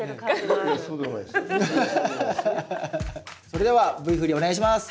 それではＶ振りお願いします！